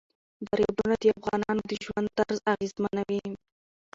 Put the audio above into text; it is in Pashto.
دریابونه د افغانانو د ژوند طرز اغېزمنوي.